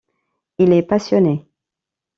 Il est passionné.